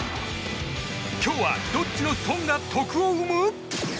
今日は、どっちの「ソン」が得を生む？